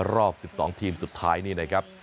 รอบ๑๒ทีมสุดท้ายนี่นะครับ